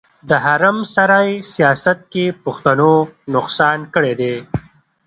د حرم سرای سياست کې پښتنو نقصان کړی دی.